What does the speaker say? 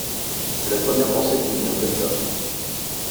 C’est la première pensée qui me vient, comme ça.